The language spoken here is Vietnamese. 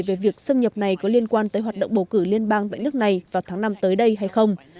về việc xâm nhập này có liên quan tới hoạt động bầu cử liên bang tại nước này vào tháng năm tới đây hay không